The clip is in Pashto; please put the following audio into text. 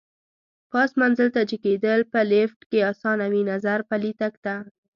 پاس منزل ته جګېدل په لېفټ کې اسان وي، نظر پلي تګ ته.